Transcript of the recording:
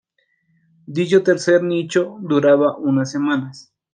Dicho tercer nicho duraba unas semanas.